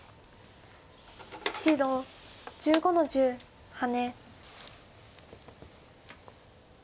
白１５の十ハネ。